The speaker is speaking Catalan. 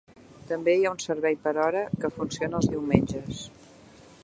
També hi ha un servei per hora que funciona els diumenges.